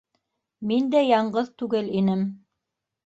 Мин дә яңғыҙ түгел инем